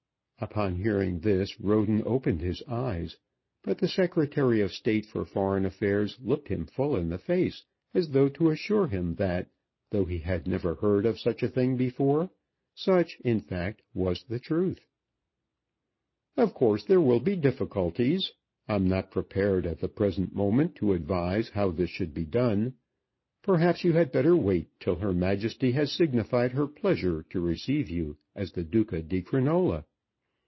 Upon hearing this Roden opened his eyes; but the Secretary of State for Foreign Affairs looked him full in the face as though to assure him that, though he had never heard of such a thing before, such, in fact, was the truth. "Of course there will be difficulties. I'm not prepared at the present moment to advise how this should be done. Perhaps you had better wait till Her Majesty has signified her pleasure to receive you as the Duca di Crinola.